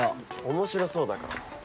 面白そうだから。